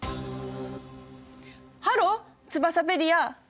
ハローツバサペディア！